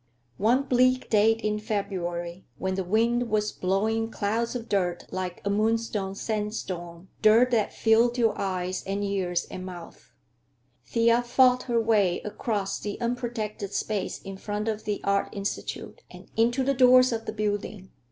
One bleak day in February, when the wind was blowing clouds of dirt like a Moonstone sandstorm, dirt that filled your eyes and ears and mouth, Thea fought her way across the unprotected space in front of the Art Institute and into the doors of the building.